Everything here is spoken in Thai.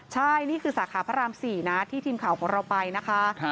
ใช่นี่คือสาขาพระราม๔นะที่ทีมข่าวของเราไปนะคะ